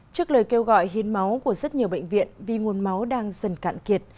trước lời kêu gọi hiến máu của rất nhiều bệnh viện vì nguồn máu đang dần cạn kiệt